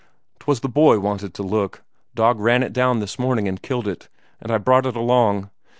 "'Twas the boy wanted to look. Dog ran it down this morning and killed it, and I brought it along...."